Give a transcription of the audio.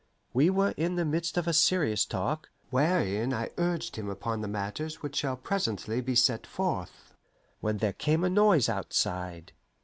We were in the midst of a serious talk, wherein I urged him upon matters which shall presently be set forth, when there came a noise outside.